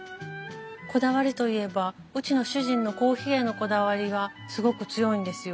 こだわりといえばうちの主人のコーヒーへのこだわりがすごく強いんですよ。